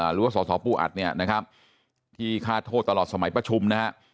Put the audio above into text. หรือว่าสสปูอัดเนี่ยนะครับที่ฆ่าโทษตลอดสมัยประชุมนะฮะ